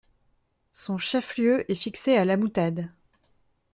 Son chef-lieu est fixé à La Moutade.